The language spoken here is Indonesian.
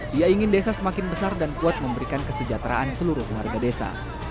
dia ingin desa semakin besar dan kuat memberikan kesejahteraan seluruh warga desa